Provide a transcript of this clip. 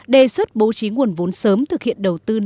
đề xuất bố trí nguồn vốn sớm thực hiện đầu tư